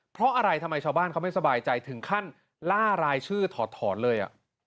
เพราะอะไรทำไมชาวบ้านเขาไม่สบายใจถึงขั้นล่ารายชื่อถอดถอนเลย